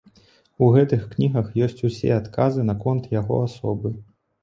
У гэтых кнігах ёсць усе адказы наконт яго асобы.